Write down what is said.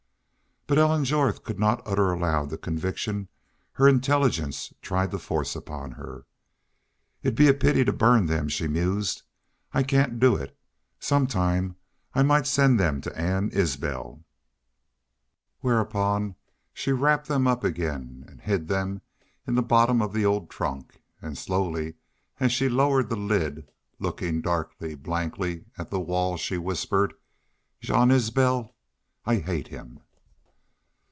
But Ellen Jorth could not utter aloud the conviction her intelligence tried to force upon her. "It'd be a pity to burn them," she mused. "I cain't do it. Sometime I might send them to Ann Isbel." Whereupon she wrapped them up again and hid them in the bottom of the old trunk, and slowly, as she lowered the lid, looking darkly, blankly at the wall, she whispered: "Jean Isbel! ... I hate him!"